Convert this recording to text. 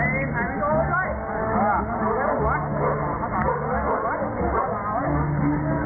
โหตาม